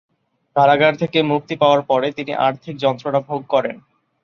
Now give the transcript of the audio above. কারাগার থেকে মুক্তি পাওয়ার পরে, তিনি আর্থিক যন্ত্রণা ভোগ করেন।